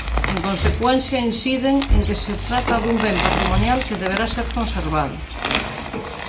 En consecuencia, inciden en que se trata "dun ben patrimonial que debera ser conservado".